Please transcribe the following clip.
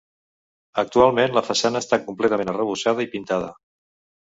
Actualment la façana està completament arrebossada i pintada.